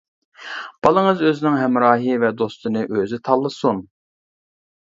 بالىڭىز ئۆزىنىڭ ھەمراھى ۋە دوستىنى ئۆزى تاللىسۇن.